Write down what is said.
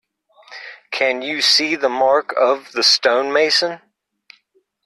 Can you see the mark of the stonemason?